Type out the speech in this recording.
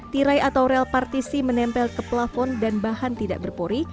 tirai atau rel partisi menempel ke plafon dan bahan tidak berpori